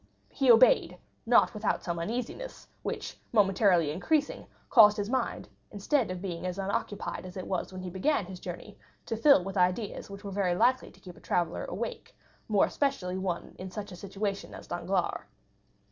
He obeyed, not without some uneasiness, which, momentarily increasing, caused his mind, instead of being as unoccupied as it was when he began his journey, to fill with ideas which were very likely to keep a traveller awake, more especially one in such a situation as Danglars.